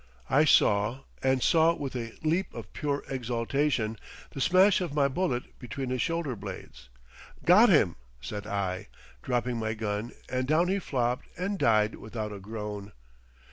I saw, and saw with a leap of pure exaltation, the smash of my bullet between his shoulder blades. "Got him," said I, dropping my gun and down he flopped and died without a groan.